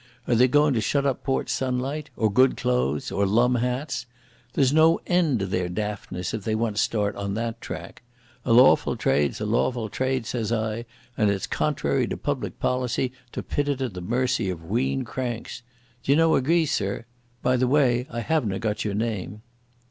Are they goin' to shut up Port Sunlight? Or good clothes? Or lum hats? There's no end to their daftness if they once start on that track. A lawfu' trade's a lawfu' trade, says I, and it's contrary to public policy to pit it at the mercy of wheen cranks. D'ye no agree, sir? By the way, I havena got your name?"